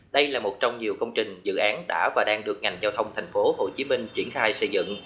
đây là một trong nhiều công trình dự án đã và đang được ngành giao thông thành phố hồ chí minh triển khai xây dựng